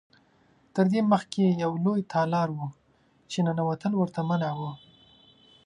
تر دې مخکې یو لوی تالار و چې ننوتل ورته منع و.